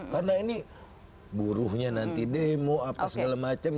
karena ini buruhnya nanti demo apa segala macam